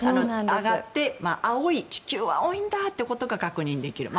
上がって、地球は青いんだということが確認できる。